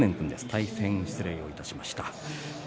大変失礼いたしました。